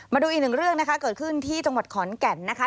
มาดูอีกหนึ่งเรื่องนะคะเกิดขึ้นที่จังหวัดขอนแก่นนะคะ